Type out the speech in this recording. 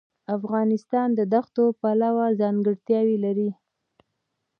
افغانستان د دښتو پلوه ځانګړتیاوې لري.